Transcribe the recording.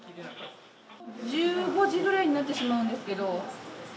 １５時ぐらいになってしまうんですけど。